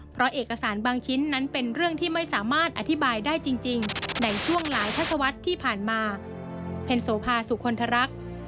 เพราะเอกสารบางชิ้นนั้นเป็นเรื่องที่ไม่สามารถอธิบายได้จริงในช่วงหลายทัศวรรษที่ผ่านมาเพ็ญโสภาสุคลทรัก